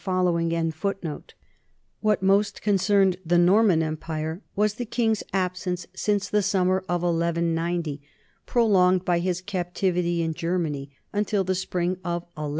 l What most concerned the Norman empire was the king's absence since the summer of 1190, prolonged by his captivity in Germany until the spring of 1194.